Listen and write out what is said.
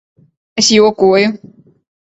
Es jokoju.